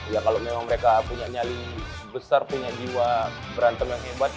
ya kalau memang mereka punya nyali besar punya jiwa berantem yang hebat